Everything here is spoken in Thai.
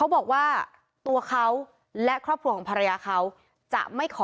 แล้วก็ได้คุยกับนายวิรพันธ์สามีของผู้ตายที่ว่าโดนกระสุนเฉียวริมฝีปากไปนะคะ